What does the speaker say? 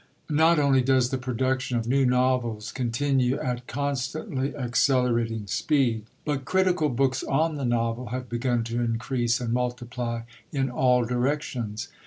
Not only does the production of new novels continue at constantly accelerating speed, but critical books on the novel have begun to increase and multiply in all directions.